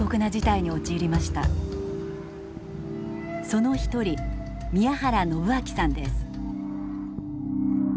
その一人宮原信晃さんです。